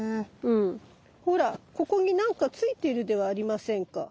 ほらここに何かついているではありませんか。